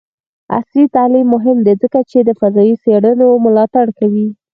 عصري تعلیم مهم دی ځکه چې د فضايي څیړنو ملاتړ کوي.